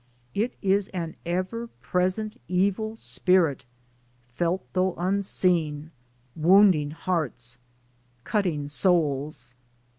It is an ever present evil spirit, felt though unseen, wounding hearts, cutting souls.